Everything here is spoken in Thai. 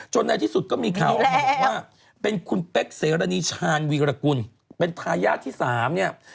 ในที่สุดก็มีข่าวออกมาว่าเป็นคุณเป๊กเสรณีชาญวีรกุลเป็นทายาทที่๓เนี่ย